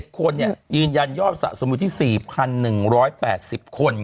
๑๑คนเนี่ยยืนยันยอบสะสมุทรที่๔๑๘๐คน